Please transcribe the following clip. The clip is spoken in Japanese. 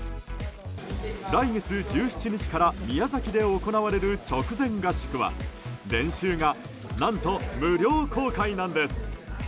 来月１７日から宮崎で行われる直前合宿は練習が、何と無料公開なんです。